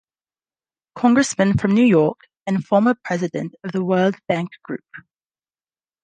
Congressman from New York and former President of the World Bank Group.